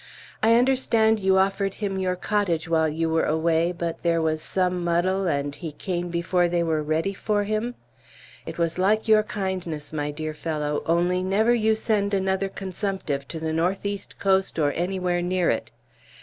I understand you offered him your cottage while you were away, but there was some muddle, and he came before they were ready for him? It was like your kindness, my dear fellow, only never you send another consumptive to the northeast coast or anywhere near it!